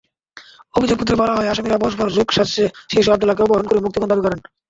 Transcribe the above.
অভিযোগপত্রে বলা হয়, আসামিরা পরস্পর যোগসাজশে শিশু আবদুল্লাহকে অপহরণ করে মুক্তিপণ দাবি করেন।